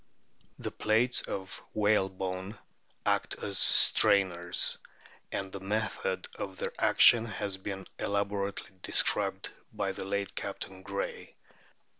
The plates of whalebone act as strainers, and the method of their action has been elaborately described by the late Captain Gray.